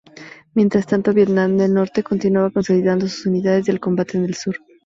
Mientras tanto, Vietnam del Norte continuaba consolidando sus unidades de combate en el Sur.